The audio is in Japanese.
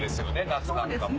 夏なんかも。